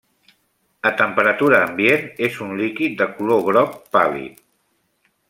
A temperatura ambient és un líquid de color groc pàl·lid.